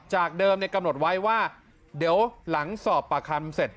จากเดิมกำหนดไว้ว่าเดี๋ยวหลังสอบปากคำเสร็จ